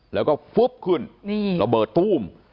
แล้วก็ฟุ๊บขึ้นระเบิดตู้ม